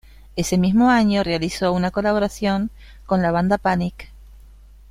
Ese mismo año, realizó una colaboración con la banda Panic!